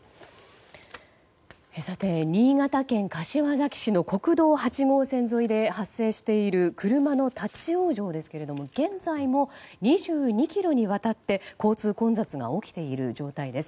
新潟県柏崎市の国道８号線沿いで発生している車の立ち往生ですけれども現在も２２ｋｍにわたって交通混雑が起きている状態です。